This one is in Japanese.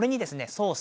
ソース